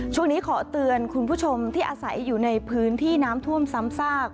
ช่วงนี้ขอเตือนคุณผู้ชมที่อาศัยอยู่ในพื้นที่น้ำท่วมซ้ำซาก